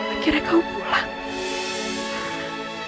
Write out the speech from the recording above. akhirnya kamu pulang